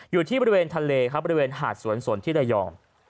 อยู่ที่บริเวณทะเลบริเวณหาดสวนที่ไล่อ่อน